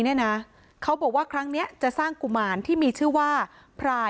เนี่ยนะเขาบอกว่าครั้งนี้จะสร้างกุมารที่มีชื่อว่าพราย